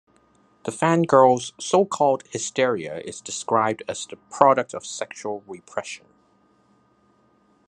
The fangirls' so-called 'hysteria' is described as the product of sexual repression.